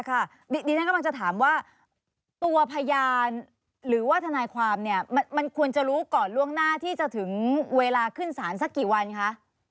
ดิฉันกำลังจะถามว่าตัวพยานหรือว่าทนายความเนี่ยมันควรจะรู้ก่อนล่วงหน้าที่จะถึงเวลาขึ้นสารสักกี่วันคะ